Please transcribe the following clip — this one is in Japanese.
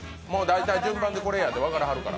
順番にこれやと分からはるから。